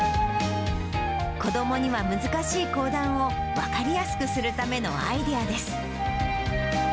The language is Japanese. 子どもには難しい講談を分かりやすくするためのアイデアです。